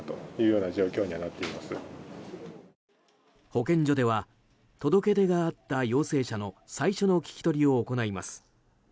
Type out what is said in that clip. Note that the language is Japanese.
保健所では届け出があった陽性者の最初の聞き取りを行います。